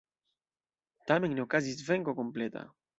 Tamen ne okazis venko kompleta.